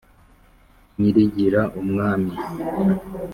nyirigira: umwami